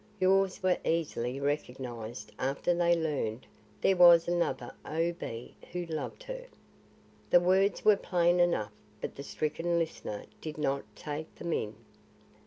Yours were easily recognised after they learned there was another O. B. who loved her." The words were plain enough, but the stricken listener did not take them in.